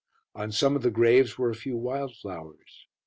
On some of the graves were a few wildflowers.